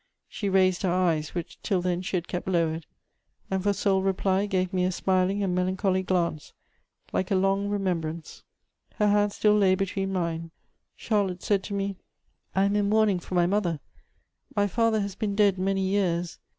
She raised her eyes, which till then she had kept lowered, and for sole reply gave me a smiling and melancholy glance, like a long remembrance. Her hand still lay between mine. Charlotte said to me: "I am in mourning for my mother; my father has been dead many years.